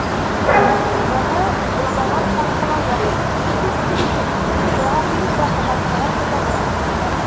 Быны Благовар халҡы ла яҡшы төшөнә, шуға һис тә һынатырға теләмәй.